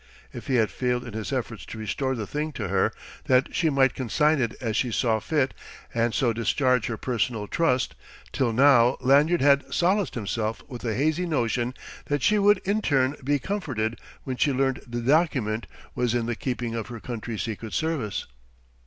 If he had failed in his efforts to restore the thing to her, that she might consign it as she saw fit and so discharge her personal trust, till now Lanyard had solaced himself with a hazy notion that she would in turn be comforted when she learned the document was in the keeping of her country's Secret Service.